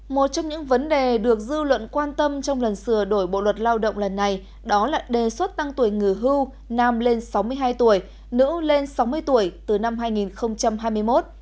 một trong những vấn đề được dư luận quan tâm trong lần sửa đổi bộ luật lao động lần này đó là đề xuất tăng tuổi nghỉ hưu nam lên sáu mươi hai tuổi nữ lên sáu mươi tuổi từ năm hai nghìn hai mươi một